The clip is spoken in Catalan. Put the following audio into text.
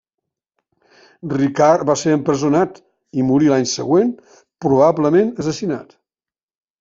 Ricard va ser empresonat i morí l'any següent, probablement assassinat.